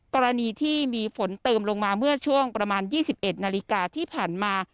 กรณีที่มีฝนเติมลงมาเมื่อช่วงประมาณ๒๑นาฬิกาที่ผ่านมา